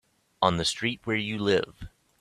On the street where you live.